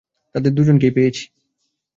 তাদের দুজনকেই পেয়েছি!